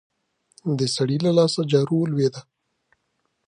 د سړي له لاسه جارو ولوېده.